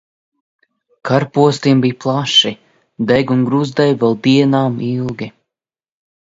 Kara postījumi bija plaši, dega un gruzdēja vēl dienām ilgi.